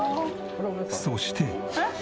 そして。